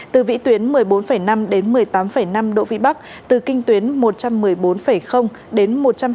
từ vị tuyến một mươi bốn năm đến một mươi tám năm độ vị bắc từ kinh tuyến một trăm một mươi bốn đến một trăm hai mươi